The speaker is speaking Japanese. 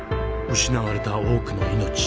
失われた多くの命。